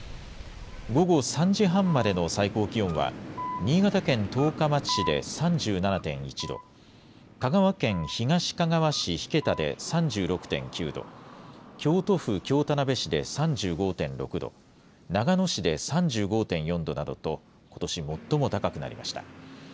午後３時半までの最高気温は、新潟県十日町市で３７．１度、香川県東かがわ市引田で３６．９度、京都府京田辺市で３５．６度、長野市で３５．４度などと、ことし最も高くなりました。